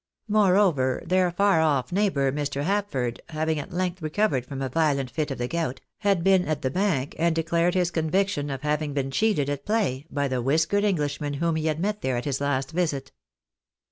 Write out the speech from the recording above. Moreover, their far off neighbour, Mr. Hapfoid, having at length recovered from a violent fit of the gout, had been at the bank and declared his conviction of having been cheated at play by the whiskered Englishman whom he had met there at his last visit.